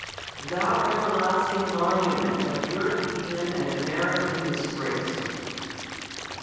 Thou everlasting monument of European and American dis grace